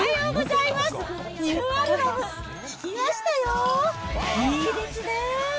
いいですねぇ。